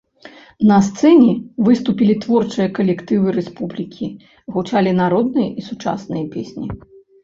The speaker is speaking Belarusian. На сцэне выступілі творчыя калектывы рэспублікі, гучалі народныя і сучасныя песні.